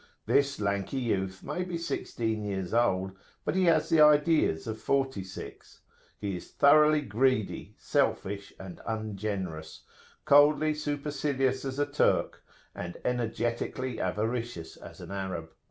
This lanky youth may be sixteen years old, but he has the ideas of forty six; he is thoroughly greedy, selfish, and ungenerous; coldly supercilious as a Turk, and energetically avaricious as an Arab.